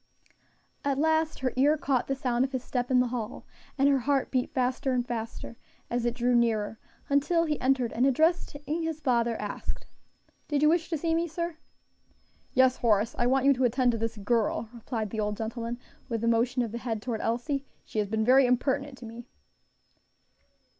At last her ear caught the sound of his step in the hall, and her heart beat fast and faster as it drew nearer, until he entered, and addressing his father, asked, "Did you wish to see me, sir?" "Yes, Horace, I want you to attend to this girl," replied the old gentleman, with a motion of the head toward Elsie. "She has been very impertinent to me."